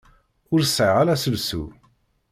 Ur sɛiɣ ara aselsu.